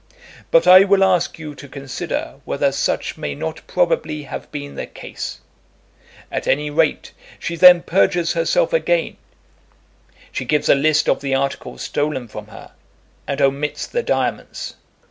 But I will ask you to consider whether such may not probably have been the case. At any rate, she then perjures herself again. She gives a list of the articles stolen from her, and omits the diamonds.